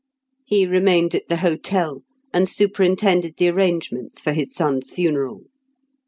He remained at the hotel, and superintended the arrangements for his son's funeral.